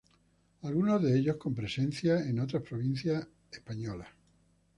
Algunas de ellas con presencia en otras provincias españolas.